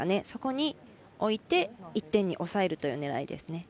そこに置いて１点に抑える狙いです。